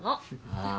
ああ。